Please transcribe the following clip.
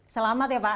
selamat ya pak